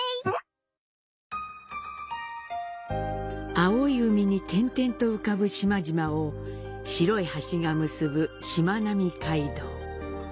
青い海に点々と浮かぶ島々を白い橋が結ぶしまなみ海道。